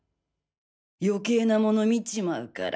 余計なもの見ちまうから。